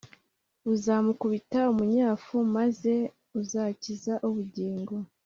uzamukubita umunyafu maze uzakiza ubugingo